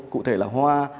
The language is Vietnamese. cụ thể là hoa